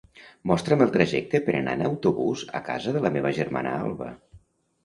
Mostra'm el trajecte per anar en autobús a casa de la meva germana Alba.